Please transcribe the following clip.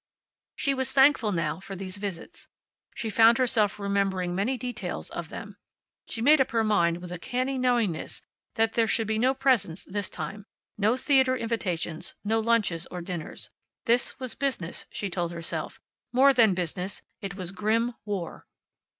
She was thankful now for these visits. She found herself remembering many details of them. She made up her mind, with a canny knowingness, that there should be no presents this time, no theater invitations, no lunches or dinners. This was business, she told herself; more than business it was grim war.